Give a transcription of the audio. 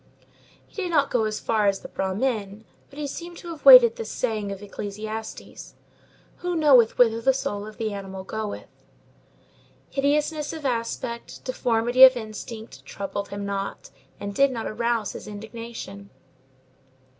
He did not go as far as the Brahmin, but he seemed to have weighed this saying of Ecclesiastes: "Who knoweth whither the soul of the animal goeth?" Hideousness of aspect, deformity of instinct, troubled him not, and did not arouse his indignation.